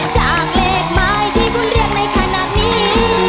จากเลขหมายที่คุณเรียกในขณะนี้